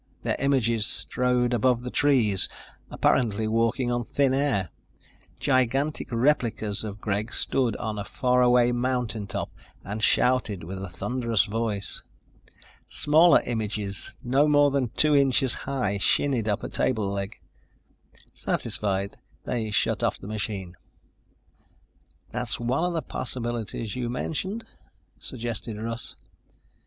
Their images strode above the trees, apparently walking on thin air. Gigantic replicas of Greg stood on a faraway mountain top and shouted with a thunderous voice. Smaller images, no more than two inches high, shinnied up a table leg. Satisfied, they shut off the machine. "That's one of the possibilities you mentioned," suggested Russ.